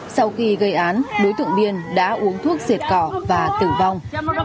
sau khi gây án đối tượng biên đã uống thuốc diệt cỏ và tử vong